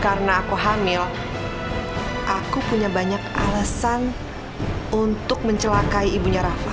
karena aku hamil aku punya banyak alasan untuk mencelakai ibunya rafa